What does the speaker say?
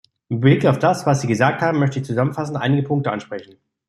Mit Blick auf das, was Sie gesagt haben, möchte ich zusammenfassend einige Punkte ansprechen.